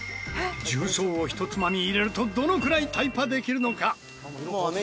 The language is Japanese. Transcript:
重曹をひとつまみ入れるとどのくらいタイパできるのか？